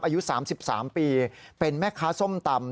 อายุ๓๓ปีเป็นแม่ค้าส้มตำ